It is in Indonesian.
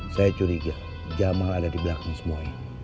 saya curiga jamal ada di belakang semua ini